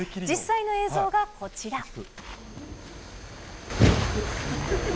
実際の映像がこちら。